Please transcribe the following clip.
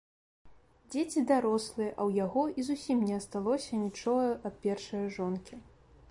Дзеці дарослыя, а ў яго і зусім не асталося нічога ад першае жонкі.